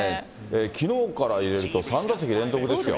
きのうから入れると３打席連続ですよ。